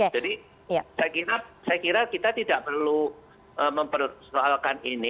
jadi saya kira kita tidak perlu mempersoalkan ini